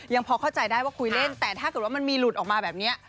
พอเข้าใจได้ว่าคุยเล่นแต่ถ้าเกิดว่ามันมีหลุดออกมาแบบนี้